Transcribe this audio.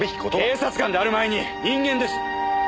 警察官である前に人間です！はあ？